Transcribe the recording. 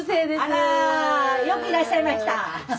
あらよくいらっしゃいました。